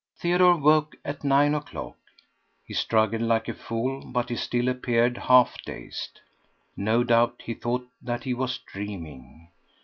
Theodore woke at nine o'clock. He struggled like a fool, but he still appeared half dazed. No doubt he thought that he was dreaming.